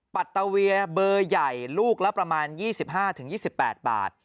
ปัตตาเวียเบอร์ใหญ่ลูกละประมาณ๒๕๒๘บาท